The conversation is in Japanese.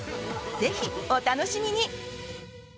ぜひお楽しみに。